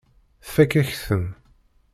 Tfakk-ak-ten.